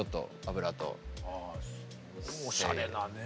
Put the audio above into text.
おしゃれなね。